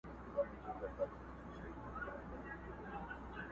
ډېر مرغان سوه د جرګې مخي ته وړاندي!!